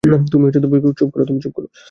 তুমি চুপ করো!